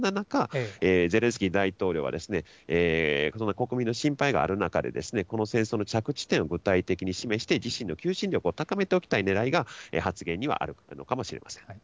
そんな中、ゼレンスキー大統領は、国民の心配がある中で、この戦争の着地点を具体的に示して、自身の求心力を高めておきたいねらいが、発言にはあるのかもしれません。